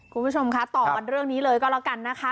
คุณผู้ชมคะต่อกันเรื่องนี้เลยก็แล้วกันนะคะ